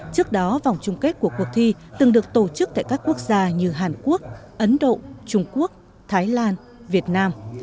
trước đó vòng chung kết của cuộc thi từng được tổ chức tại các quốc gia như hàn quốc ấn độ trung quốc thái lan việt nam